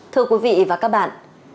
thưa quý vị và các bạn